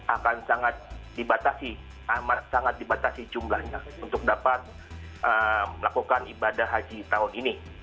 akan sangat dibatasi sangat dibatasi jumlahnya untuk dapat melakukan ibadah haji tahun ini